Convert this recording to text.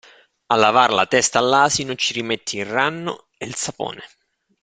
A lavar la testa all'asino ci rimetti il ranno e il sapone.